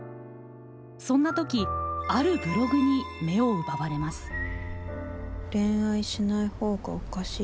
そんな時あるブログに目を奪われます。